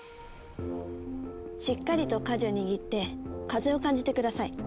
しっかりと舵を握って風を感じて下さい。